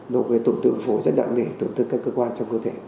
nó có thể tổn thương phối rất đặng để tổn thương các cơ quan trong cơ thể